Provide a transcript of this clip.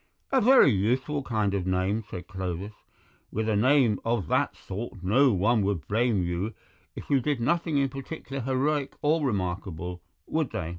"A very useful kind of name," said Clovis; "with a name of that sort no one would blame you if you did nothing in particular heroic or remarkable, would they?